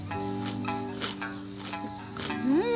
うん！